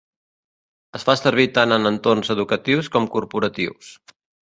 Es fa servir tant en entorns educatius com corporatius.